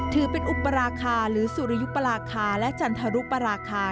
ถือเป็นอุปราคาหรือสุริยุปราคาและจันทรุปราคา